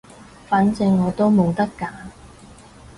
反正我都冇得揀